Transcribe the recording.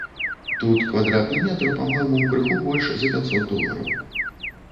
Тут квадратны метр, па-мойму, крыху больш за пяцьсот долараў.